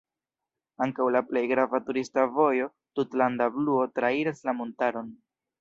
Ankaŭ la plej grava turista vojo „tutlanda bluo” trairas la montaron.